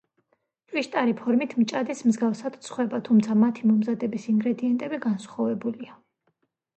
ჭვიშტარი ფორმით მჭადის მსგავსად ცხვება, თუმცა მათი მომზადების ინგრედიენტები განსხვავებულია.